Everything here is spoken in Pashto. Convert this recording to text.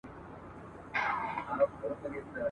د تورو شپو په لړمانه کي به ډېوې بلېدې !.